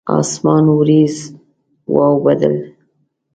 اسمان اوریځ واوبدل